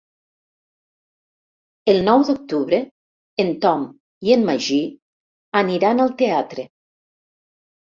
El nou d'octubre en Tom i en Magí aniran al teatre.